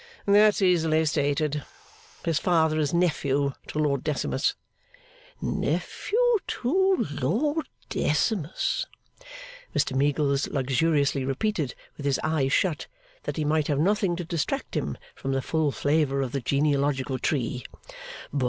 'That's easily stated. His father is nephew to Lord Decimus.' 'Nephew to Lord Decimus,' Mr Meagles luxuriously repeated with his eyes shut, that he might have nothing to distract him from the full flavour of the genealogical tree.